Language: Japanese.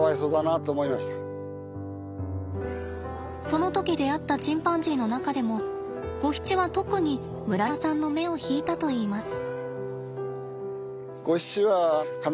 その時出会ったチンパンジーの中でもゴヒチは特に村山さんの目を引いたといいます。